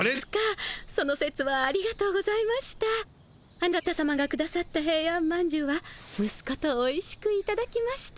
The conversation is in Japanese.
あなたさまがくださったヘイアンまんじゅうはむすことおいしくいただきました。